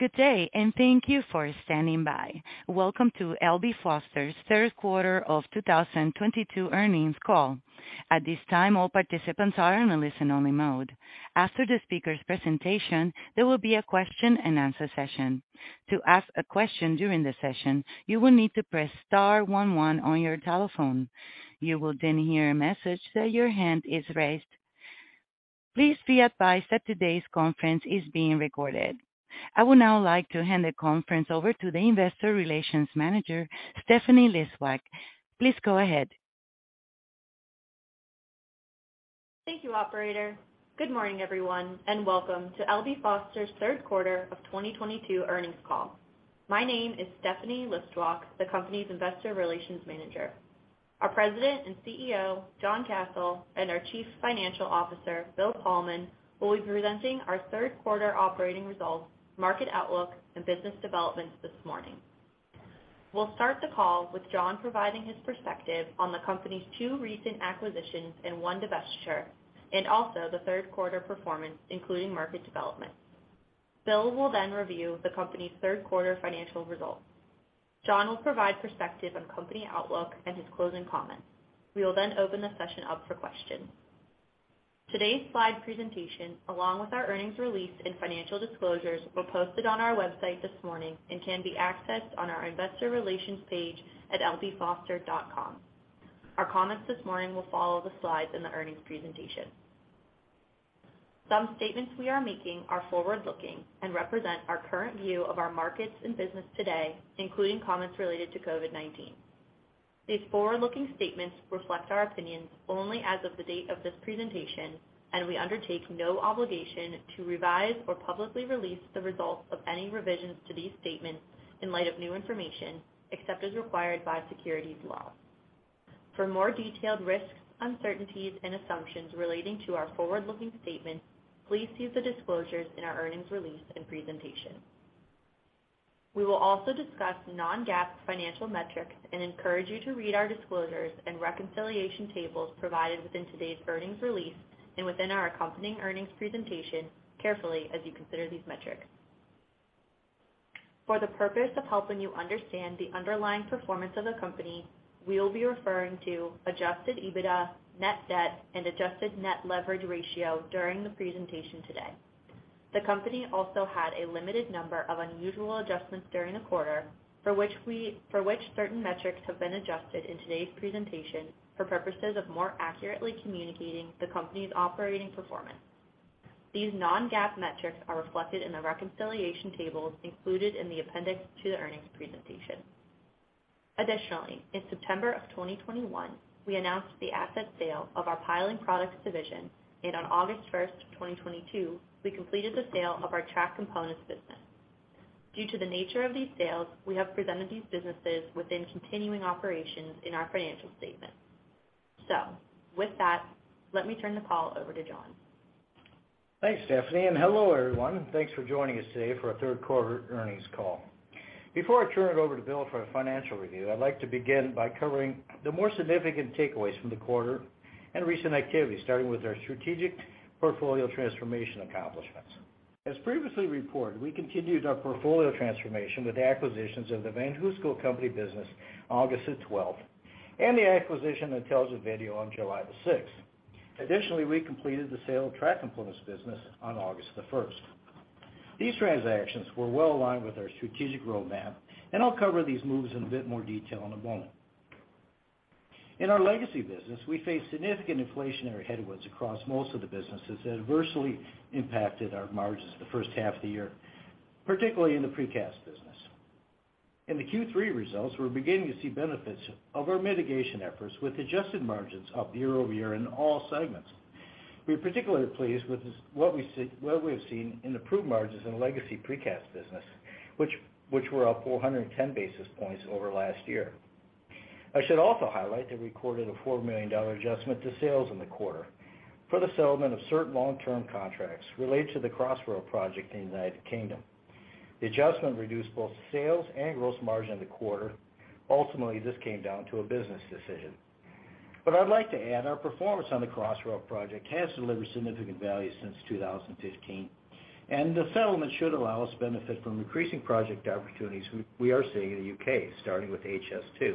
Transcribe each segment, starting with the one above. Good day, and thank you for standing by. Welcome to L.B. Foster's third quarter of 2022 earnings call. At this time, all participants are in a listen-only mode. After the speaker's presentation, there will be a question-and-answer session. To ask a question during the session, you will need to press star one on your telephone. You will then hear a message that your hand is raised. Please be advised that today's conference is being recorded. I would now like to hand the conference over to the investor relations manager, Stephanie Schmidt. Please go ahead. Thank you, operator. Good morning, everyone, and welcome to L.B. Foster's third quarter of 2022 earnings call. My name is Stephanie Listwak, the company's investor relations manager. Our President and CEO, John Kasel, and our Chief Financial Officer, Bill Thalman, will be presenting our third quarter operating results, market outlook, and business developments this morning. We'll start the call with John providing his perspective on the company's two recent acquisitions and one divestiture, also the third quarter performance, including market developments. Bill will review the company's third quarter financial results. John will provide perspective on company outlook and his closing comments. We will open the session up for questions. Today's slide presentation, along with our earnings release and financial disclosures, were posted on our website this morning and can be accessed on our investor relations page at lbfoster.com. Our comments this morning will follow the slides in the earnings presentation. Some statements we are making are forward-looking and represent our current view of our markets and business today, including comments related to COVID-19. These forward-looking statements reflect our opinions only as of the date of this presentation, we undertake no obligation to revise or publicly release the results of any revisions to these statements in light of new information, except as required by securities law. For more detailed risks, uncertainties, and assumptions relating to our forward-looking statements, please see the disclosures in our earnings release and presentation. We will also discuss non-GAAP financial metrics and encourage you to read our disclosures and reconciliation tables provided within today's earnings release and within our accompanying earnings presentation carefully as you consider these metrics. For the purpose of helping you understand the underlying performance of the company, we will be referring to Adjusted EBITDA, net debt, and adjusted net leverage ratio during the presentation today. The company also had a limited number of unusual adjustments during the quarter, for which certain metrics have been adjusted in today's presentation for purposes of more accurately communicating the company's operating performance. These non-GAAP metrics are reflected in the reconciliation tables included in the appendix to the earnings presentation. Additionally, in September of 2021, we announced the asset sale of our Piling Products division, and on August 1st, 2022, we completed the sale of our Track Components business. Due to the nature of these sales, we have presented these businesses within continuing operations in our financial statement. With that, let me turn the call over to John. Thanks, Stephanie, and hello, everyone. Thanks for joining us today for our third quarter earnings call. Before I turn it over to Bill for a financial review, I'd like to begin by covering the more significant takeaways from the quarter and recent activity, starting with our strategic portfolio transformation accomplishments. As previously reported, we continued our portfolio transformation with acquisitions of the VanHooseCo Precast LLC business August 12th, and the acquisition of Intelligent Video Ltd. on July 6th. Additionally, we completed the sale of Track Components business on August 1st. These transactions were well aligned with our strategic roadmap, and I'll cover these moves in a bit more detail in a moment. In our legacy business, we faced significant inflationary headwinds across most of the businesses that adversely impacted our margins the first half of the year, particularly in the precast business. In the Q3 results, we're beginning to see benefits of our mitigation efforts with adjusted margins up year-over-year in all segments. We are particularly pleased with what we have seen in improved margins in the legacy precast business, which were up 410 basis points over last year. I should also highlight that we recorded a $4 million adjustment to sales in the quarter for the settlement of certain long-term contracts related to the Crossrail project in the U.K. The adjustment reduced both sales and gross margin in the quarter. Ultimately, this came down to a business decision. I'd like to add, our performance on the Crossrail project has delivered significant value since 2015, and the settlement should allow us to benefit from increasing project opportunities we are seeing in the U.K., starting with HS2,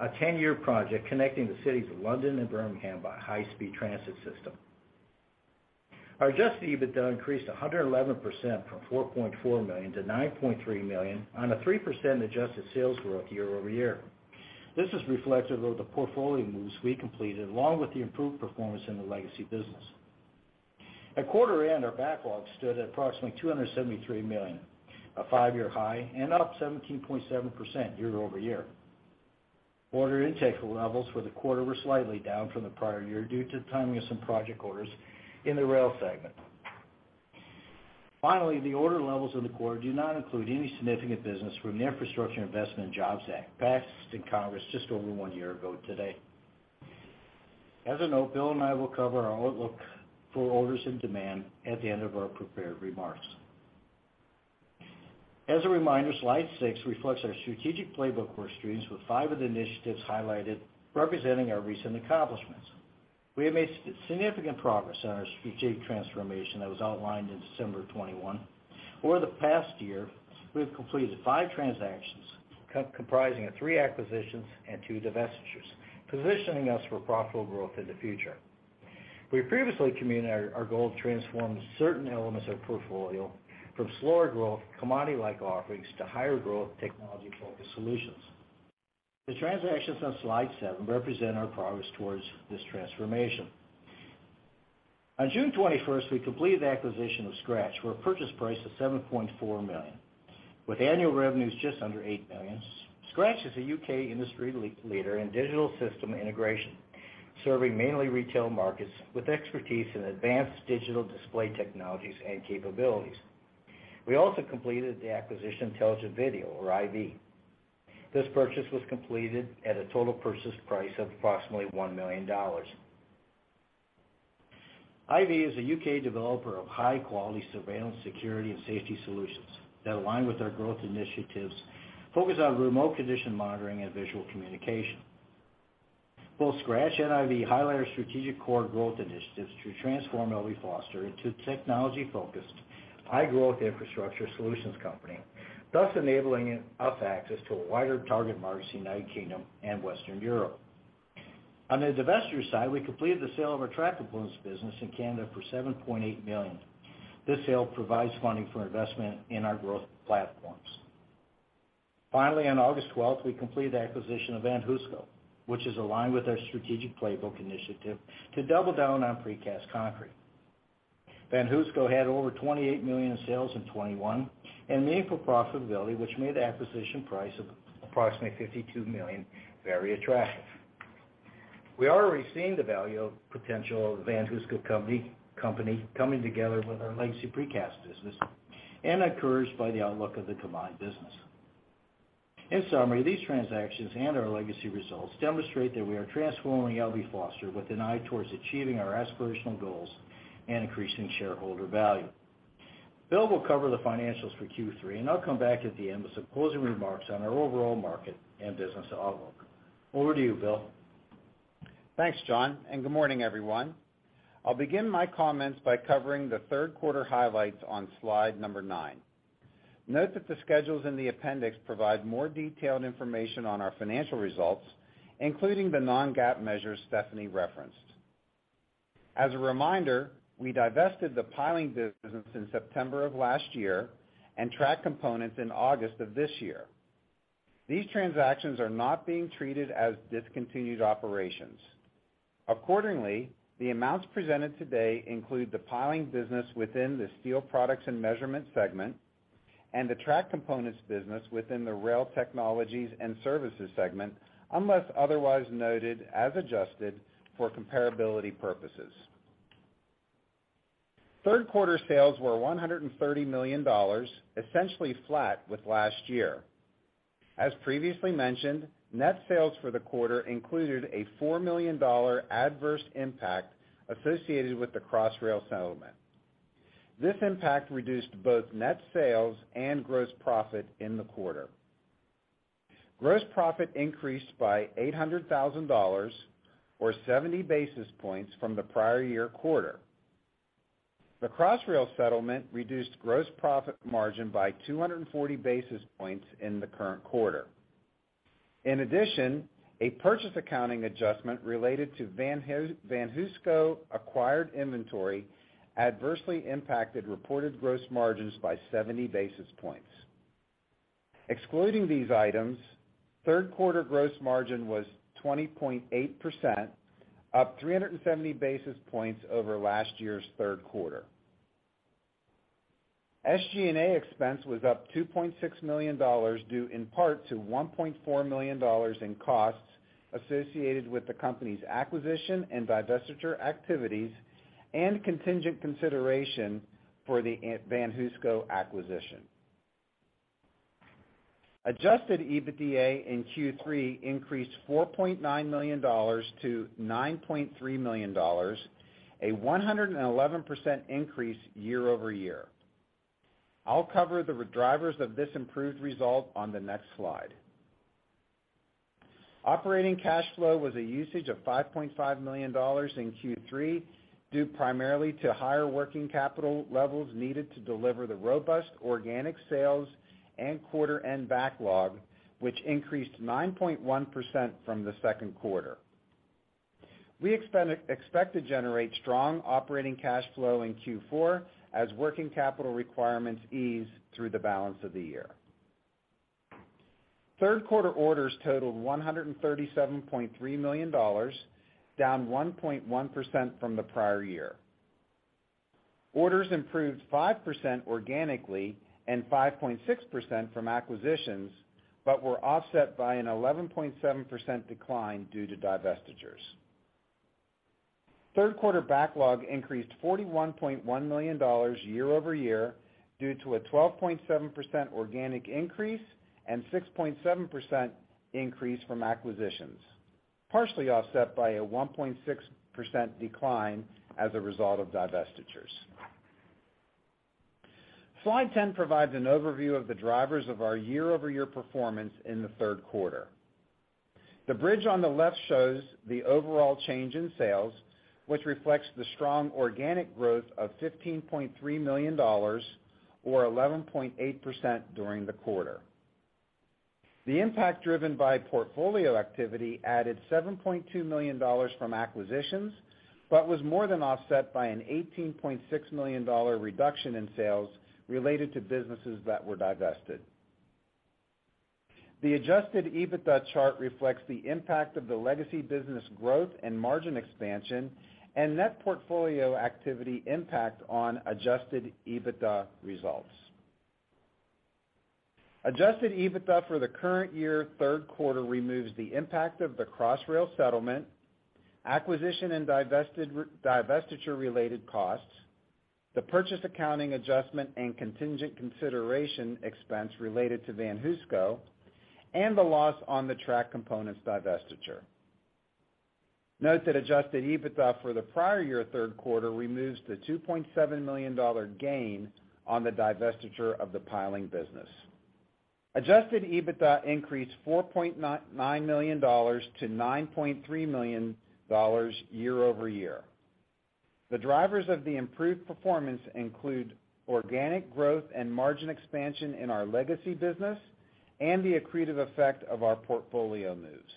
a 10-year project connecting the cities of London and Birmingham by a high-speed transit system. Our Adjusted EBITDA increased 111% from $4.4 million to $9.3 million on a 3% adjusted sales growth year-over-year. This is reflective of the portfolio moves we completed, along with the improved performance in the legacy business. At quarter end, our backlog stood at approximately $273 million, a five-year high, and up 17.7% year-over-year. Order intake levels for the quarter were slightly down from the prior year due to the timing of some project orders in the rail segment. The order levels in the quarter do not include any significant business from the Infrastructure Investment and Jobs Act, passed in Congress just over one year ago today. As a note, Bill and I will cover our outlook for orders and demand at the end of our prepared remarks. As a reminder, slide six reflects our strategic playbook for our streams, with five of the initiatives highlighted representing our recent accomplishments. We have made significant progress on our strategic transformation that was outlined in December 2021. Over the past year, we have completed five transactions comprising of three acquisitions and two divestitures, positioning us for profitable growth in the future. We previously communicated our goal to transform certain elements of our portfolio from slower growth commodity-like offerings to higher growth technology-focused solutions. The transactions on slide seven represent our progress towards this transformation. On June 21st, we completed the acquisition of Skratch for a purchase price of $7.4 million. With annual revenues just under $8 million, Skratch is a U.K. industry leader in digital system integration, serving mainly retail markets with expertise in advanced digital display technologies and capabilities. We also completed the acquisition of Intelligent Video, or IV. This purchase was completed at a total purchase price of approximately $1 million. IV is a U.K. developer of high-quality surveillance, security, and safety solutions that align with our growth initiatives focused on remote condition monitoring and visual communication. Both Skratch and IV highlight our strategic core growth initiatives to transform L.B. Foster into technology-focused, high-growth Infrastructure Solutions company, thus enabling us access to a wider target market in United Kingdom and Western Europe. On the divestiture side, we completed the sale of our Track Components business in Canada for $7.8 million. This sale provides funding for investment in our growth platforms. Finally, on August 12th, we completed the acquisition of VanHooseCo, which is aligned with our strategic playbook initiative to double down on precast concrete. VanHooseCo had over $28 million in sales in 2021 and meaningful profitability, which made the acquisition price of approximately $52 million very attractive. We are already seeing the value potential of VanHooseCo Company coming together with our legacy precast business and encouraged by the outlook of the combined business. In summary, these transactions and our legacy results demonstrate that we are transforming L.B. Foster with an eye towards achieving our aspirational goals and increasing shareholder value. Bill will cover the financials for Q3, and I'll come back at the end with some closing remarks on our overall market and business outlook. Over to you, Bill. Thanks, John, and good morning, everyone. I'll begin my comments by covering the third quarter highlights on slide number nine. Note that the schedules in the appendix provide more detailed information on our financial results, including the non-GAAP measures Stephanie referenced. As a reminder, we divested the Piling Products business in September of last year and Track Components in August of this year. These transactions are not being treated as discontinued operations. Accordingly, the amounts presented today include the Piling Products business within the Steel Products and Measurement segment and the Track Components business within the Rail, Technologies, and Services segment, unless otherwise noted, as adjusted for comparability purposes. Third quarter sales were $130 million, essentially flat with last year. As previously mentioned, net sales for the quarter included a $4 million adverse impact associated with the Crossrail settlement. This impact reduced both net sales and gross profit in the quarter. Gross profit increased by $800,000, or 70 basis points from the prior year quarter. The Crossrail settlement reduced gross profit margin by 240 basis points in the current quarter. In addition, a purchase accounting adjustment related to VanHooseCo-acquired inventory adversely impacted reported gross margins by 70 basis points. Excluding these items, third quarter gross margin was 20.8%, up 370 basis points over last year's third quarter. SG&A expense was up $2.6 million, due in part to $1.4 million in costs associated with the company's acquisition and divestiture activities and contingent consideration for the VanHooseCo acquisition. Adjusted EBITDA in Q3 increased $4.9 million to $9.3 million, a 111% increase year-over-year. I'll cover the drivers of this improved result on the next slide. Operating cash flow was a usage of $5.5 million in Q3, due primarily to higher working capital levels needed to deliver the robust organic sales and quarter end backlog, which increased 9.1% from the second quarter. We expect to generate strong operating cash flow in Q4 as working capital requirements ease through the balance of the year. Third quarter orders totaled $137.3 million, down 1.1% from the prior year. Orders improved 5% organically and 5.6% from acquisitions, were offset by an 11.7% decline due to divestitures. Third quarter backlog increased $41.1 million year-over-year due to a 12.7% organic increase and 6.7% increase from acquisitions, partially offset by a 1.6% decline as a result of divestitures. Slide 10 provides an overview of the drivers of our year-over-year performance in the third quarter. The bridge on the left shows the overall change in sales, which reflects the strong organic growth of $15.3 million, or 11.8% during the quarter. The impact driven by portfolio activity added $7.2 million from acquisitions, was more than offset by an $18.6 million reduction in sales related to businesses that were divested. The Adjusted EBITDA chart reflects the impact of the legacy business growth and margin expansion, and net portfolio activity impact on Adjusted EBITDA results. Adjusted EBITDA for the current year third quarter removes the impact of the Crossrail settlement, acquisition and divestiture-related costs, the purchase accounting adjustment and contingent consideration expense related to VanHooseCo, and the loss on the Track Components divestiture. Note that Adjusted EBITDA for the prior year third quarter removes the $2.7 million gain on the divestiture of the Piling Products business. Adjusted EBITDA increased $4.9 million to $9.3 million year-over-year. The drivers of the improved performance include organic growth and margin expansion in our legacy business, and the accretive effect of our portfolio moves.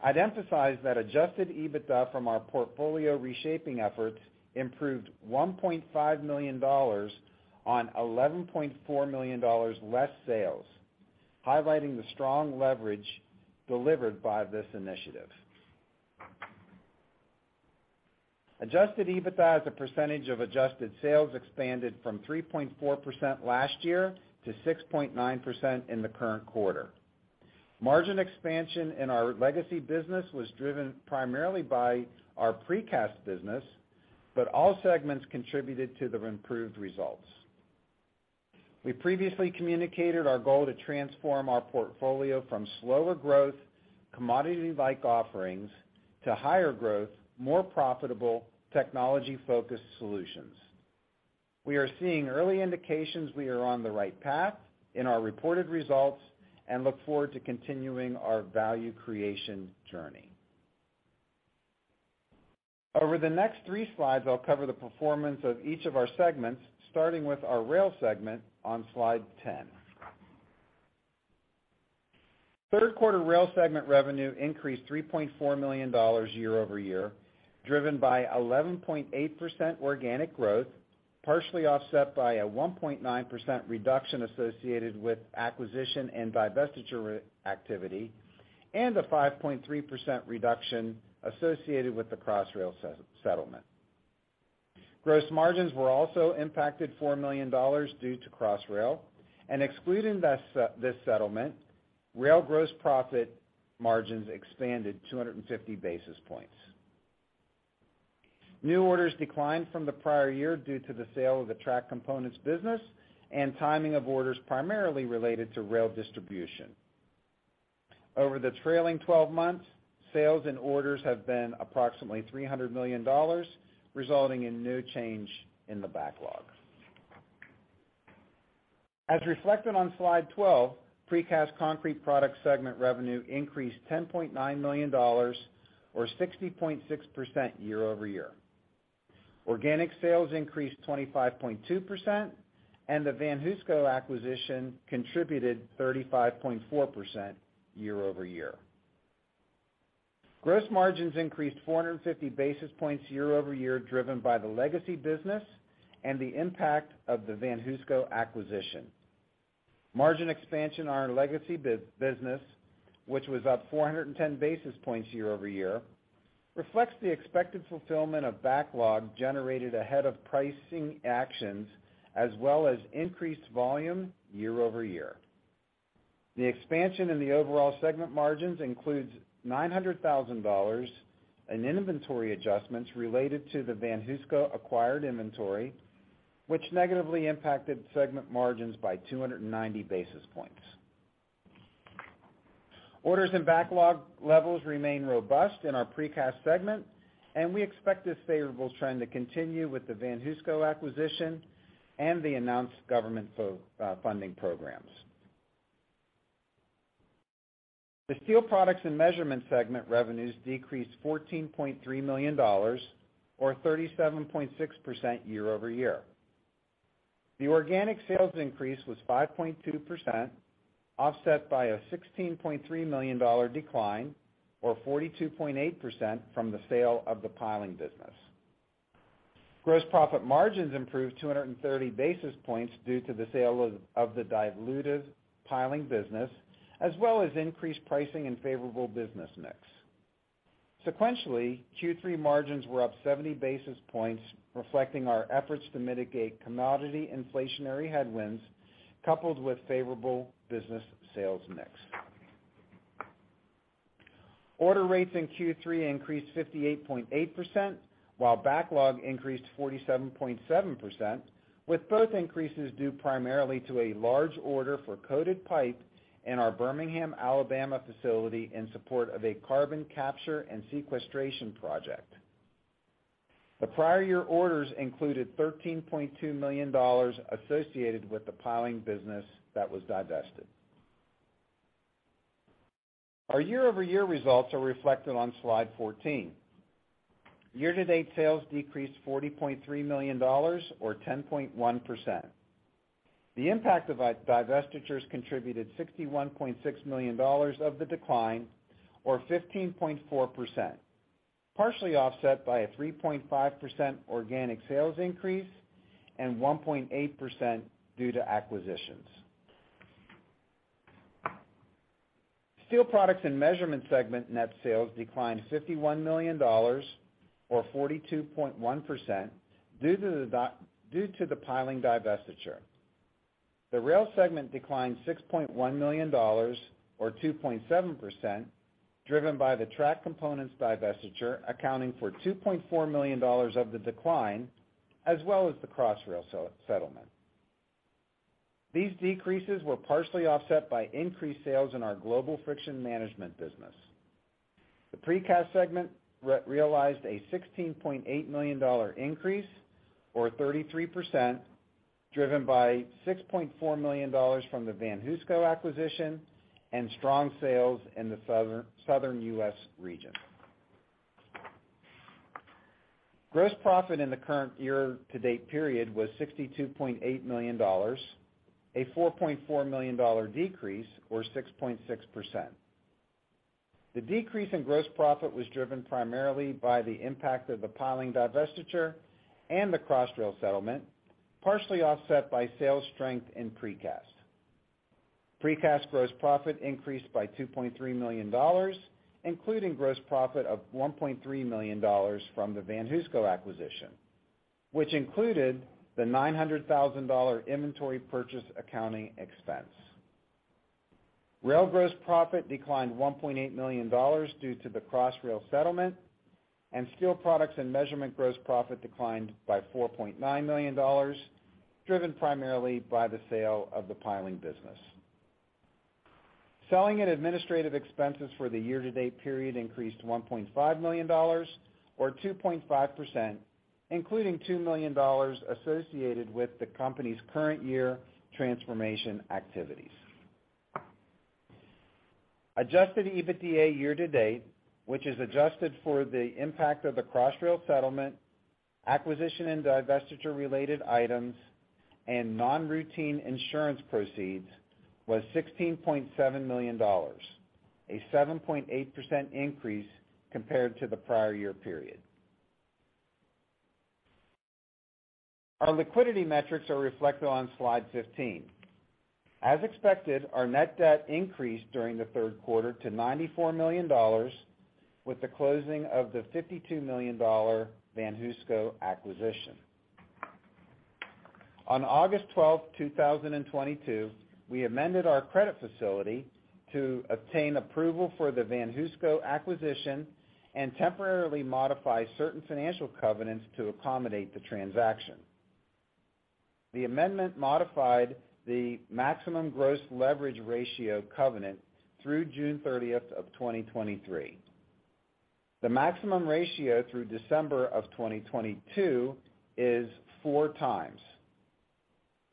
I'd emphasize that Adjusted EBITDA from our portfolio reshaping efforts improved $1.5 million on $11.4 million less sales, highlighting the strong leverage delivered by this initiative. Adjusted EBITDA as a percentage of adjusted sales expanded from 3.4% last year to 6.9% in the current quarter. Margin expansion in our legacy business was driven primarily by our Precast business, all segments contributed to the improved results. We previously communicated our goal to transform our portfolio from slower growth, commodity-like offerings to higher growth, more profitable, technology-focused solutions. We are seeing early indications we are on the right path in our reported results, and look forward to continuing our value creation journey. Over the next three slides, I'll cover the performance of each of our segments, starting with our Rail segment on slide 10. Third quarter Rail segment revenue increased $3.4 million year-over-year, driven by 11.8% organic growth, partially offset by a 1.9% reduction associated with acquisition and divestiture activity, and a 5.3% reduction associated with the Crossrail settlement. Gross margins were also impacted $4 million due to Crossrail, and excluding this settlement, Rail gross profit margins expanded 250 basis points. New orders declined from the prior year due to the sale of the Track Components business and timing of orders primarily related to rail distribution. Over the trailing 12 months, sales and orders have been approximately $300 million, resulting in no change in the backlog. As reflected on slide 12, Precast Concrete Products segment revenue increased $10.9 million, or 60.6% year-over-year. Organic sales increased 25.2%. The VanHooseCo acquisition contributed 35.4% year-over-year. Gross margins increased 450 basis points year-over-year, driven by the legacy business and the impact of the VanHooseCo acquisition. Margin expansion on our legacy business, which was up 410 basis points year-over-year, reflects the expected fulfillment of backlog generated ahead of pricing actions, as well as increased volume year-over-year. The expansion in the overall segment margins includes $900,000 in inventory adjustments related to the VanHooseCo acquired inventory, which negatively impacted segment margins by 290 basis points. Orders and backlog levels remain robust in our Precast Concrete Products segment, and we expect this favorable trend to continue with the VanHooseCo acquisition and the announced government funding programs. The Steel Products and Measurement segment revenues decreased $14.3 million, or 37.6% year-over-year. The organic sales increase was 5.2%, offset by a $16.3 million decline, or 42.8% from the sale of the Piling Products. Gross profit margins improved 230 basis points due to the sale of the dilutive Piling Products, as well as increased pricing and favorable business mix. Sequentially, Q3 margins were up 70 basis points, reflecting our efforts to mitigate commodity inflationary headwinds, coupled with favorable business sales mix. Order rates in Q3 increased 58.8%, while backlog increased 47.7%, with both increases due primarily to a large order for coated pipe in our Birmingham, Alabama facility in support of a carbon capture and sequestration project. The prior year orders included $13.2 million associated with the Piling Products that was divested. Our year-over-year results are reflected on slide 14. Year-to-date sales decreased $40.3 million or 10.1%. The impact of our divestitures contributed $61.6 million of the decline, or 15.4%, partially offset by a 3.5% organic sales increase and 1.8% due to acquisitions. Steel Products and Measurement segment net sales declined $51 million, or 42.1%, due to the Piling Products divestiture. The rail segment declined $6.1 million, or 2.7%, driven by the Track Components divestiture, accounting for $2.4 million of the decline, as well as the Crossrail settlement. These decreases were partially offset by increased sales in our global friction management business. The Precast Concrete Products segment realized a $16.8 million increase, or 33%, driven by $6.4 million from the VanHooseCo acquisition and strong sales in the southern U.S. region. Gross profit in the current year-to-date period was $62.8 million, a $4.4 million decrease, or 6.6%. The decrease in gross profit was driven primarily by the impact of the Piling Products divestiture and the Crossrail settlement, partially offset by sales strength in Precast Concrete Products. Precast Concrete Products gross profit increased by $2.3 million, including gross profit of $1.3 million from the VanHooseCo acquisition, which included the $900,000 inventory purchase accounting expense. Rail gross profit declined $1.8 million due to the Crossrail settlement, and Steel Products and Measurement gross profit declined by $4.9 million, driven primarily by the sale of the Piling Products. Selling and administrative expenses for the year-to-date period increased $1.5 million or 2.5%, including $2 million associated with the company's current year transformation activities. Adjusted EBITDA year to date, which is adjusted for the impact of the Crossrail settlement, acquisition and divestiture related items, and non-routine insurance proceeds, was $16.7 million, a 7.8% increase compared to the prior year period. Our liquidity metrics are reflected on slide 15. As expected, our net debt increased during the third quarter to $94 million with the closing of the $52 million VanHooseCo acquisition. On August 12th, 2022, we amended our credit facility to obtain approval for the VanHooseCo acquisition and temporarily modify certain financial covenants to accommodate the transaction. The amendment modified the maximum gross leverage ratio covenant through June 30th, 2023. The maximum ratio through December 2022 is four times.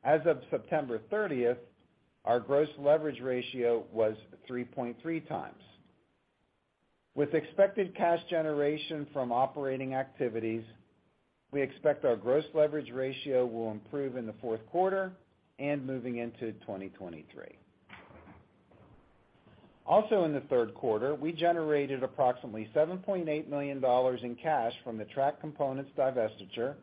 As of September 30th, our gross leverage ratio was 3.3 times. With expected cash generation from operating activities, we expect our gross leverage ratio will improve in the fourth quarter and moving into 2023. Also, in the third quarter, we generated approximately $7.8 million in cash from the Track Components divestiture,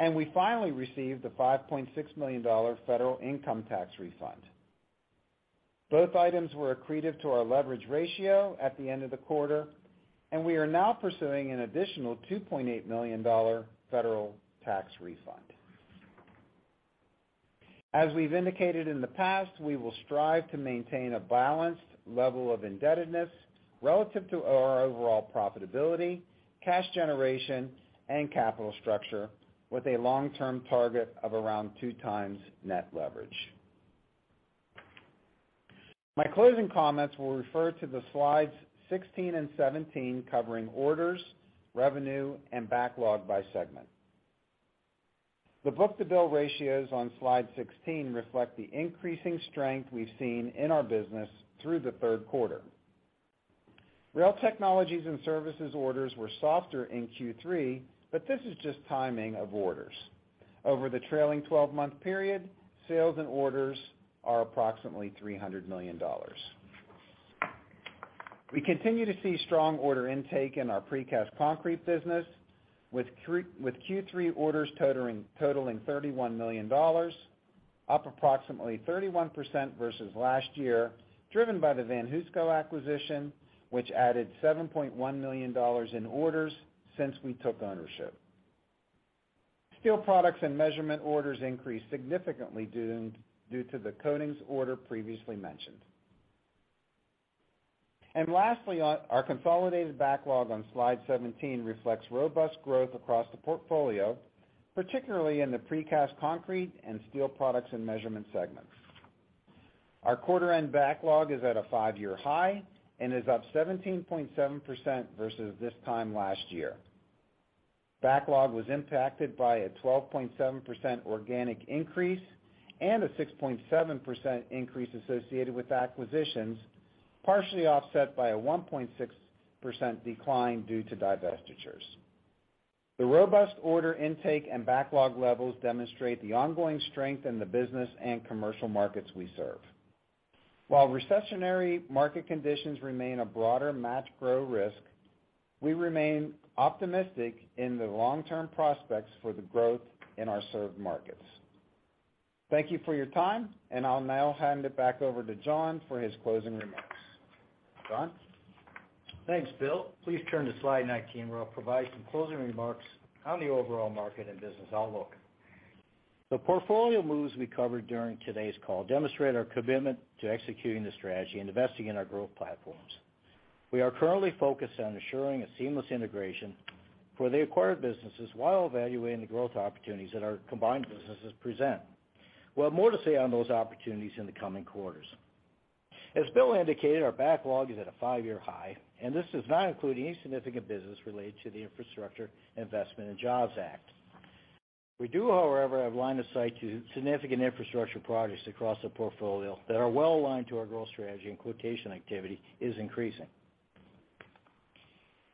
and we finally received the $5.6 million federal income tax refund. Both items were accretive to our leverage ratio at the end of the quarter. We are now pursuing an additional $2.8 million federal tax refund. As we've indicated in the past, we will strive to maintain a balanced level of indebtedness relative to our overall profitability, cash generation, and capital structure with a long-term target of around two times net leverage. My closing comments will refer to the slides 16 and 17 covering orders, revenue, and backlog by segment. The book-to-bill ratios on slide 16 reflect the increasing strength we've seen in our business through the third quarter. Rail, Technologies, and Services orders were softer in Q3. This is just timing of orders. Over the trailing 12-month period, sales and orders are approximately $300 million. We continue to see strong order intake in our Precast Concrete Products business with Q3 orders totaling $31 million, up approximately 31% versus last year, driven by the VanHooseCo acquisition, which added $7.1 million in orders since we took ownership. Steel Products and Measurement orders increased significantly due to the coatings order previously mentioned. Lastly, our consolidated backlog on slide 17 reflects robust growth across the portfolio, particularly in the Precast Concrete Products and Steel Products and Measurement segments. Our quarter end backlog is at a five-year high and is up 17.7% versus this time last year. Backlog was impacted by a 12.7% organic increase and a 6.7% increase associated with acquisitions, partially offset by a 1.6% decline due to divestitures. The robust order intake and backlog levels demonstrate the ongoing strength in the business and commercial markets we serve. While recessionary market conditions remain a broader macro risk, we remain optimistic in the long-term prospects for the growth in our served markets. Thank you for your time. I'll now hand it back over to John for his closing remarks. John? Thanks, Bill. Please turn to slide 19, where I'll provide some closing remarks on the overall market and business outlook. The portfolio moves we covered during today's call demonstrate our commitment to executing the strategy and investing in our growth platforms. We are currently focused on ensuring a seamless integration for the acquired businesses while evaluating the growth opportunities that our combined businesses present. We'll have more to say on those opportunities in the coming quarters. As Bill indicated, our backlog is at a five-year high, and this does not include any significant business related to the Infrastructure Investment and Jobs Act. We do, however, have line of sight to significant infrastructure projects across the portfolio that are well-aligned to our growth strategy, and quotation activity is increasing.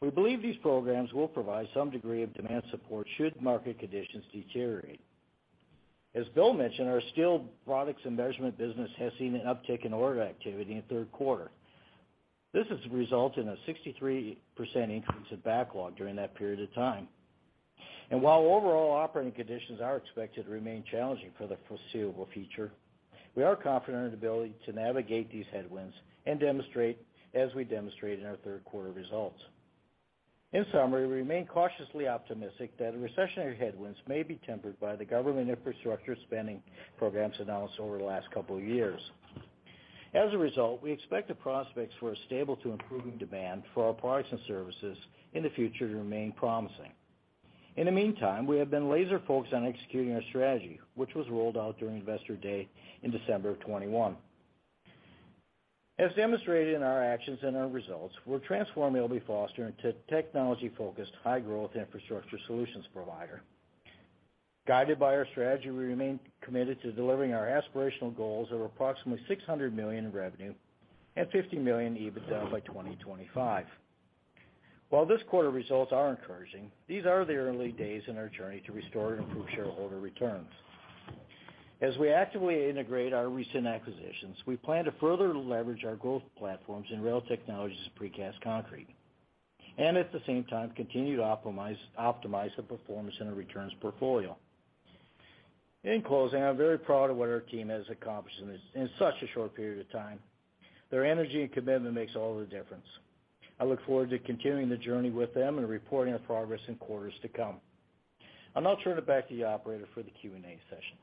We believe these programs will provide some degree of demand support should market conditions deteriorate. As Bill mentioned, our Steel Products and Measurement business has seen an uptick in order activity in the third quarter. This has resulted in a 63% increase in backlog during that period of time. While overall operating conditions are expected to remain challenging for the foreseeable future, we are confident in the ability to navigate these headwinds as we demonstrated in our third quarter results. In summary, we remain cautiously optimistic that recessionary headwinds may be tempered by the government infrastructure spending programs announced over the last couple of years. As a result, we expect the prospects for a stable to improving demand for our products and services in the future to remain promising. In the meantime, we have been laser-focused on executing our strategy, which was rolled out during Investor Day in December of 2021. As demonstrated in our actions and our results, we're transforming L.B. Foster into a technology-focused, high-growth Infrastructure Solutions provider. Guided by our strategy, we remain committed to delivering our aspirational goals of approximately $600 million in revenue and $50 million in EBITDA by 2025. While this quarter results are encouraging, these are the early days in our journey to restore and improve shareholder returns. As we actively integrate our recent acquisitions, we plan to further leverage our growth platforms in Rail Technologies and Precast Concrete. At the same time, continue to optimize the performance in our returns portfolio. In closing, I'm very proud of what our team has accomplished in such a short period of time. Their energy and commitment makes all the difference. I look forward to continuing the journey with them and reporting our progress in quarters to come. I'll now turn it back to the operator for the Q&A session.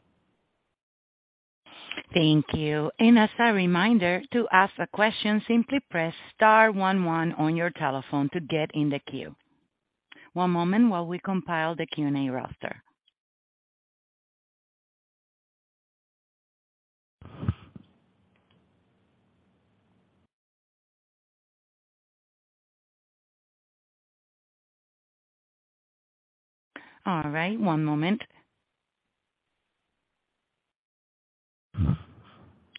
Thank you. As a reminder, to ask a question, simply press *11 on your telephone to get in the queue. One moment while we compile the Q&A roster. All right, one moment.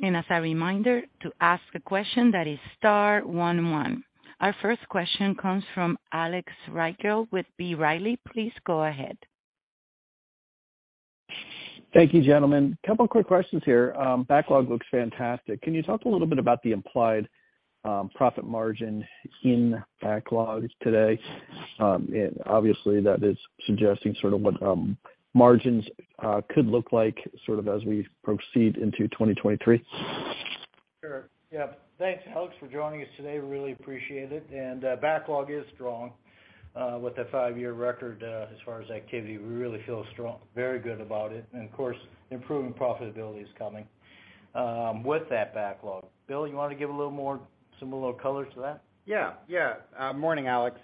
As a reminder, to ask a question, that is *11. Our first question comes from Alex Rygiel with B. Riley. Please go ahead. Thank you, gentlemen. Couple of quick questions here. Backlog looks fantastic. Can you talk a little bit about the implied profit margin in backlog today? Obviously, that is suggesting sort of what margins could look like sort of as we proceed into 2023. Sure. Yeah. Thanks, Alex, for joining us today. Really appreciate it. Backlog is strong with a five-year record as far as activity. We really feel very good about it. Of course, improving profitability is coming with that backlog. Bill, you want to give a little more similar color to that? Yeah. Morning, Alex.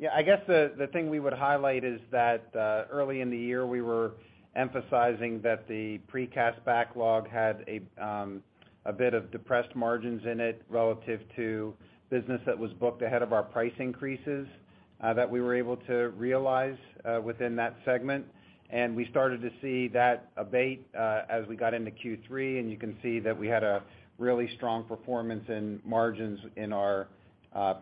Yeah, I guess the thing we would highlight is that early in the year, we were emphasizing that the Precast backlog had a bit of depressed margins in it relative to business that was booked ahead of our price increases that we were able to realize within that segment. We started to see that abate as we got into Q3, and you can see that we had a really strong performance in margins in our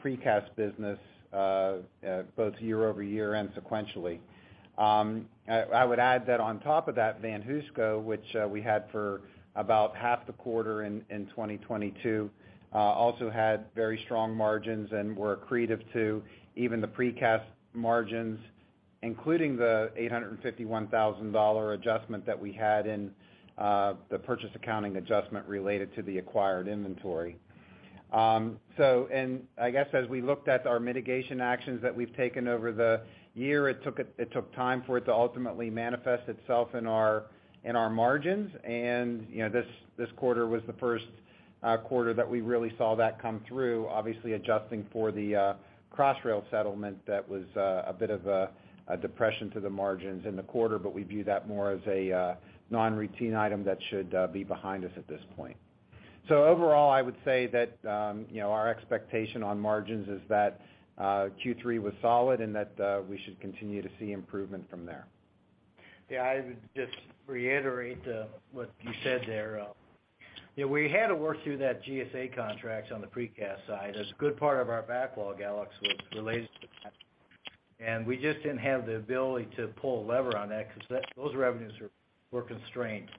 Precast business, both year-over-year and sequentially. I would add that on top of that VanHooseCo, which we had for about half the quarter in 2022, also had very strong margins and were accretive to even the Precast margins, including the $851,000 adjustment that we had in the purchase accounting adjustment related to the acquired inventory. I guess as we looked at our mitigation actions that we've taken over the year, it took time for it to ultimately manifest itself in our margins, and this quarter was the first quarter that we really saw that come through, obviously adjusting for the Crossrail settlement that was a bit of a depression to the margins in the quarter, but we view that more as a non-routine item that should be behind us at this point. Overall, I would say that our expectation on margins is that Q3 was solid and that we should continue to see improvement from there. Yeah, I would just reiterate what you said there. We had to work through that GSA contracts on the precast side. A good part of our backlog, Alex, was related to that, and we just didn't have the ability to pull a lever on that because those revenues were constrained.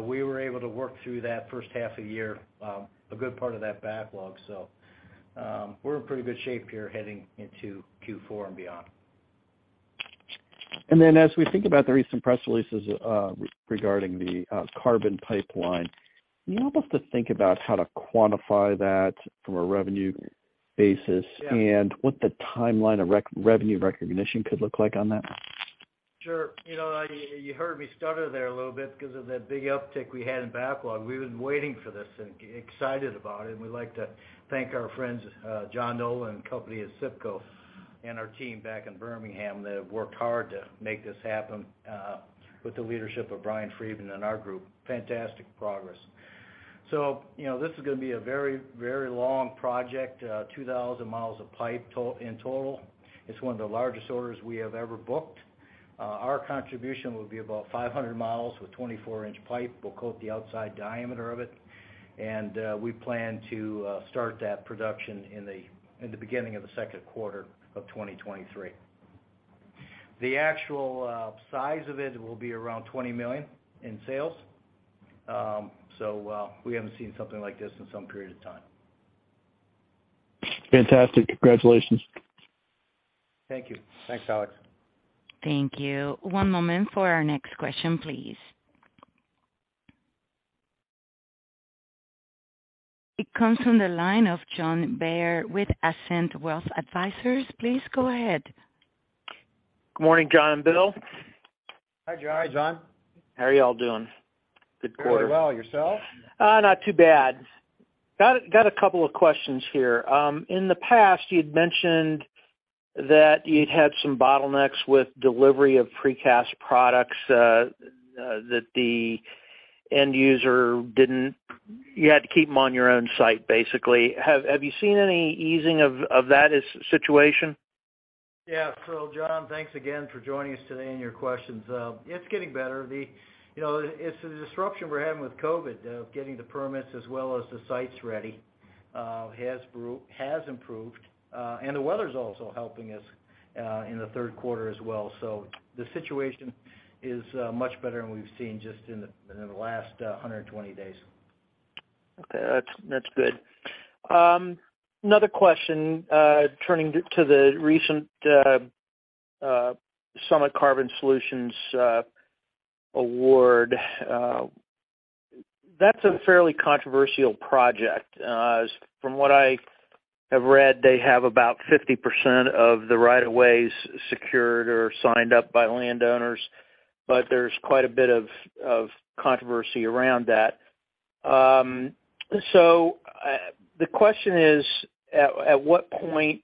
We were able to work through that first half of the year, a good part of that backlog. We're in pretty good shape here heading into Q4 and beyond. As we think about the recent press releases regarding the carbon pipeline, can you help us to think about how to quantify that from a revenue basis? Yeah What the timeline of revenue recognition could look like on that? Sure. You heard me stutter there a little bit because of that big uptick we had in backlog. We've been waiting for this and excited about it, and we'd like to thank our friends, Joe Noyons and company at ACIPCO, and our team back in Birmingham that have worked hard to make this happen, with the leadership of Brian Friedman and our group. Fantastic progress. This is going to be a very long project, 2,000 mi of pipe in total. It's one of the largest orders we have ever booked. Our contribution will be about 500 mi with 24-in pipe. We'll coat the outside diameter of it, and we plan to start that production in the beginning of the second quarter of 2023. The actual size of it will be around $20 million in sales. We haven't seen something like this in some period of time. Fantastic. Congratulations. Thank you. Thanks, Alex. Thank you. One moment for our next question, please. It comes from the line of John Bair with Ascent Wealth Advisors. Please go ahead. Good morning, John and Bill. Hi, John. Hi, John. How are you all doing? Good quarter. Very well. Yourself? Not too bad. Got a couple of questions here. In the past, you mentioned that you had some bottlenecks with delivery of precast products, that the end user, you had to keep them on your own site, basically. Have you seen any easing of that situation? Yeah. John, thanks again for joining us today and your questions. It is getting better. It is the disruption we are having with COVID, getting the permits as well as the sites ready, has improved. The weather is also helping us in the third quarter as well. The situation is much better than we have seen just in the last 120 days. Okay. That is good. Another question, turning to the recent Summit Carbon Solutions award. That is a fairly controversial project. From what I have read, they have about 50% of the right of ways secured or signed up by landowners, but there is quite a bit of controversy around that. The question is, at what point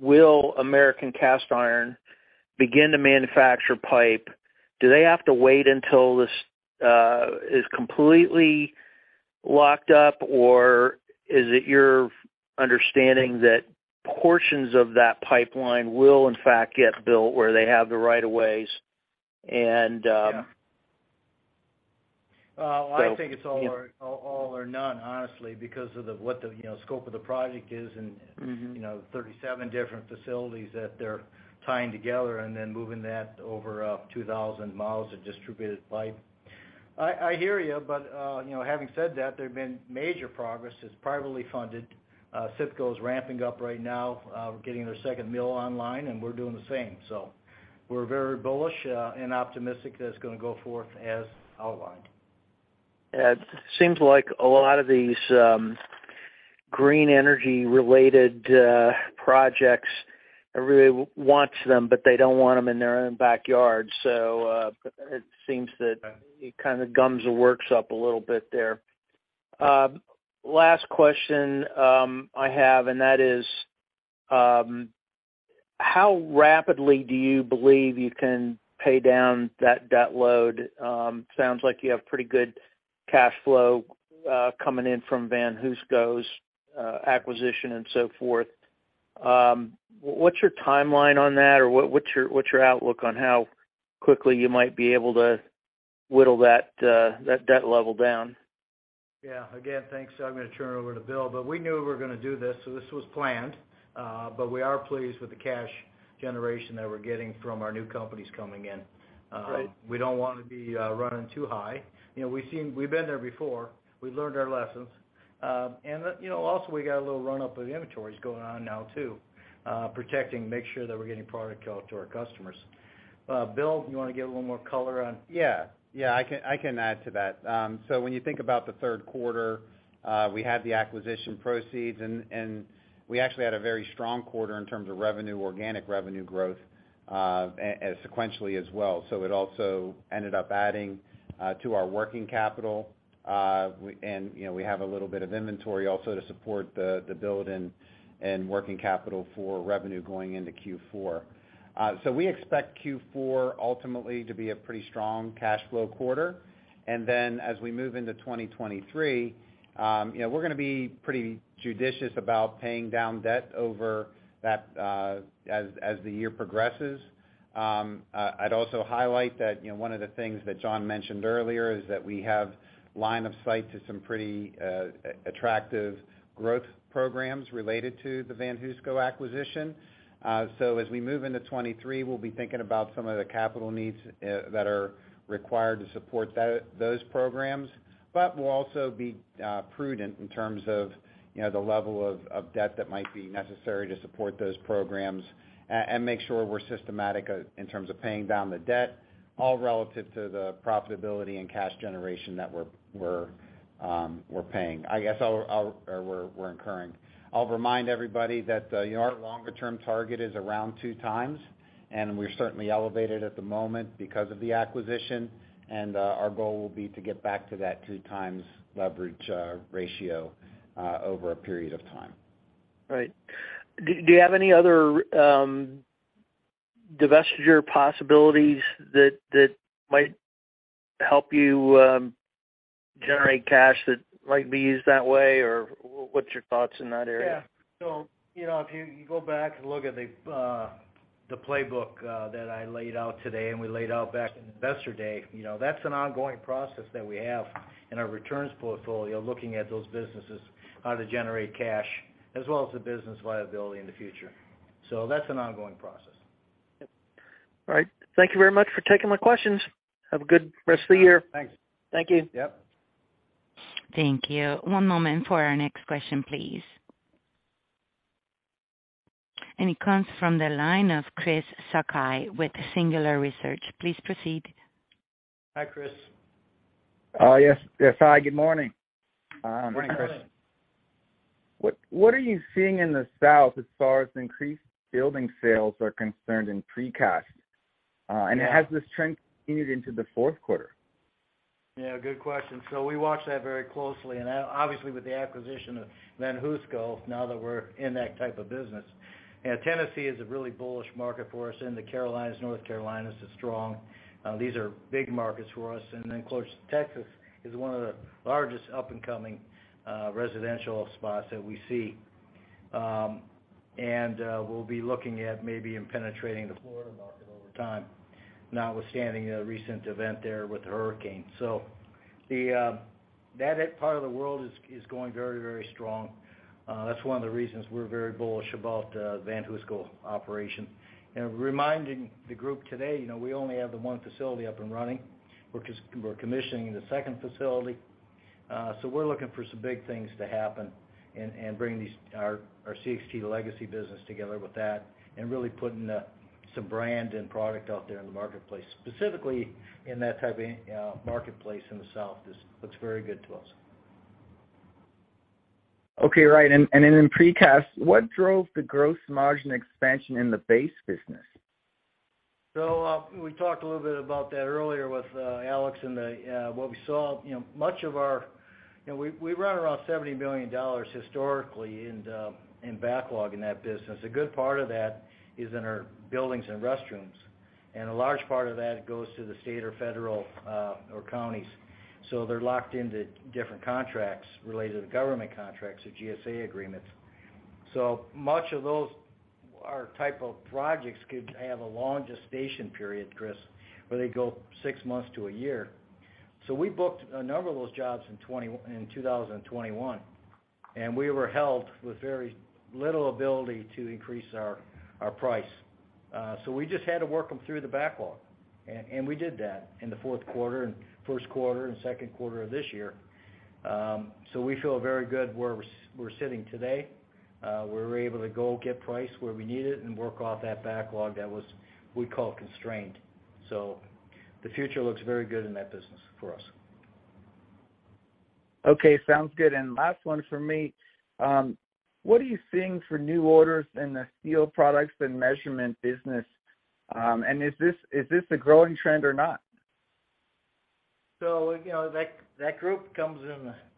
will American Cast Iron begin to manufacture pipe? Do they have to wait until this is completely locked up, or is it your understanding that portions of that pipeline will in fact get built where they have the right of ways and. Yeah so- Well, I think it is all or none, honestly, because of what the scope of the project is and. 37 different facilities that they're tying together and then moving that over 2,000 mi of distributed pipe. I hear you, having said that, there have been major progress. It's privately funded. ACIPCO is ramping up right now, getting their second mill online, and we're doing the same. We're very bullish and optimistic that it's going to go forth as outlined. Yeah. It seems like a lot of these green energy-related projects, everybody wants them, but they don't want them in their own backyard. Yeah It kind of gums the works up a little bit there. Last question I have, and that is, how rapidly do you believe you can pay down that debt load? Sounds like you have pretty good cash flow coming in from VanHooseCo's acquisition and so forth. What's your timeline on that, or what's your outlook on how quickly you might be able to whittle that debt level down? Yeah. Again, thanks. I'm going to turn it over to Bill. We knew we were going to do this, so this was planned. We are pleased with the cash generation that we're getting from our new companies coming in. Great. We don't want to be running too high. We've been there before. We learned our lessons. Also we got a little run-up with inventories going on now too, protecting, make sure that we're getting product out to our customers. Bill, you want to give a little more color on? Yeah. I can add to that. When you think about the third quarter, we had the acquisition proceeds, we actually had a very strong quarter in terms of revenue, organic revenue growth, sequentially as well. It also ended up adding to our working capital. We have a little bit of inventory also to support the build and working capital for revenue going into Q4. We expect Q4 ultimately to be a pretty strong cash flow quarter. As we move into 2023, we're going to be pretty judicious about paying down debt as the year progresses. I'd also highlight that one of the things that John mentioned earlier is that we have line of sight to some pretty attractive growth programs related to the VanHooseCo acquisition. As we move into 2023, we'll be thinking about some of the capital needs that are required to support those programs. We'll also be prudent in terms of the level of debt that might be necessary to support those programs and make sure we're systematic in terms of paying down the debt, all relative to the profitability and cash generation that we're incurring. I'll remind everybody that our longer-term target is around 2x, we're certainly elevated at the moment because of the acquisition. Our goal will be to get back to that 2x leverage ratio over a period of time. Right. Do you have any other divestiture possibilities that might help you generate cash that might be used that way? What's your thoughts in that area? Yeah. If you go back and look at the playbook that I laid out today and we laid out back in Investor Day, that's an ongoing process that we have in our returns portfolio, looking at those businesses, how to generate cash, as well as the business viability in the future. That's an ongoing process. Yep. All right. Thank you very much for taking my questions. Have a good rest of the year. Thanks. Thank you. Yep. Thank you. One moment for our next question, please. It comes from the line of Chris Sakai with Singular Research. Please proceed. Hi, Chris. Yes. Hi, good morning. Morning, Chris. What are you seeing in the South as far as increased building sales are concerned in precast? Has this trend continued into the fourth quarter? Good question. We watch that very closely. Obviously, with the acquisition of VanHooseCo, now that we're in that type of business. Tennessee is a really bullish market for us, and the Carolinas, North Carolina is strong. These are big markets for us. Close to Texas is one of the largest up-and-coming residential spots that we see. We'll be looking at maybe in penetrating the Florida market over time, notwithstanding the recent event there with the hurricane. That part of the world is going very strong. That's one of the reasons we're very bullish about VanHooseCo operation. Reminding the group today, we only have the one facility up and running. We're commissioning the second facility. We're looking for some big things to happen and bring our CXT legacy business together with that and really putting some brand and product out there in the marketplace, specifically in that type of marketplace in the South, just looks very good to us. Okay, right. In precast, what drove the gross margin expansion in the base business? We talked a little bit about that earlier with Alex and what we saw, we run around $70 million historically in backlog in that business. A good part of that is in our buildings and restrooms, and a large part of that goes to the state or federal, or counties. They're locked into different contracts related to government contracts or GSA agreements. Much of those are type of projects could have a long gestation period, Chris, where they go 6 months to a year. We booked a number of those jobs in 2021, and we were held with very little ability to increase our price. We just had to work them through the backlog. We did that in the fourth quarter, first quarter, and second quarter of this year. We feel very good where we're sitting today. We're able to go get price where we need it and work off that backlog that was, we call constrained. The future looks very good in that business for us. Okay, sounds good. Last one from me. What are you seeing for new orders in the Steel Products and Measurement business? Is this a growing trend or not? That group.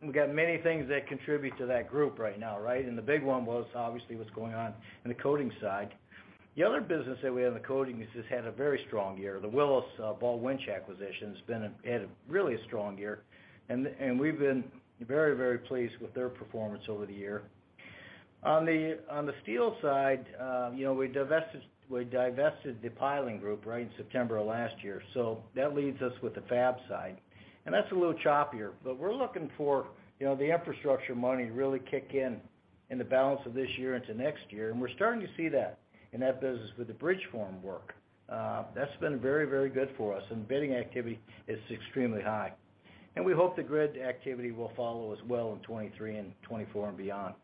We've got many things that contribute to that group right now, right? The big one was obviously what's going on in the coatings side. The other business that we have in the coatings has had a very strong year. The Ball Winch acquisition had a really strong year, and we've been very pleased with their performance over the year. On the steel side, we divested the Piling Products right in September of last year. That leaves us with the fab side. That's a little choppier, but we're looking for the infrastructure money to really kick in the balance of this year into next year. We're starting to see that in that business with the bridge form work. That's been very good for us. Bidding activity is extremely high. We hope the grid activity will follow as well in 2023 and 2024 and beyond.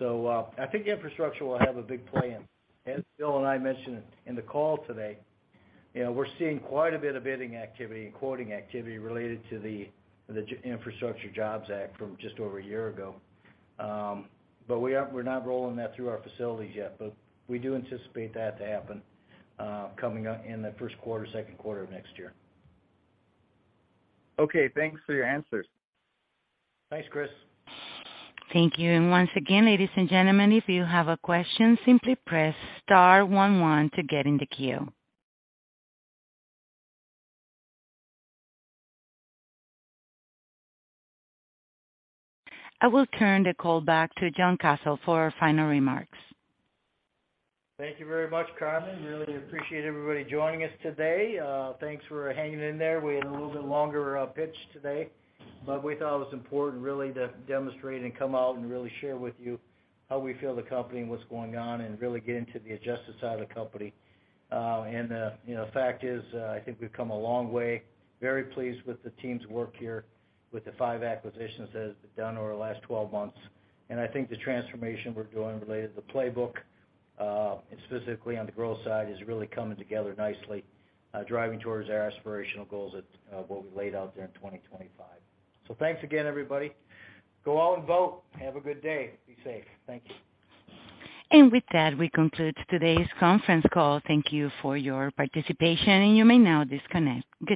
I think infrastructure will have a big play in. As Bill and I mentioned in the call today, we're seeing quite a bit of bidding activity and quoting activity related to the Infrastructure Investment and Jobs Act from just over a year ago. We're not rolling that through our facilities yet, but we do anticipate that to happen coming in the first quarter, second quarter of next year. Okay, thanks for your answers. Thanks, Chris. Thank you. Once again, ladies and gentlemen, if you have a question, simply press star one one to get in the queue. I will turn the call back to John Kasel for final remarks. Thank you very much, Carmen. Really appreciate everybody joining us today. Thanks for hanging in there. We had a little bit longer pitch today, but we thought it was important really to demonstrate and come out and really share with you how we feel the company and what's going on and really get into the adjusted side of the company. The fact is, I think we've come a long way. Very pleased with the team's work here with the five acquisitions that has been done over the last 12 months, and I think the transformation we're doing related to the playbook, and specifically on the growth side, is really coming together nicely, driving towards our aspirational goals at what we laid out there in 2025. Thanks again, everybody. Go out and vote. Have a good day. Be safe. Thank you. With that, we conclude today's conference call. Thank you for your participation, and you may now disconnect.